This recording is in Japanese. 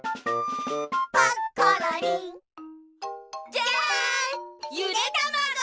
じゃんゆでたまご！